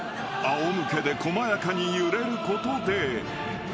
［あお向けで細やかに揺れることで］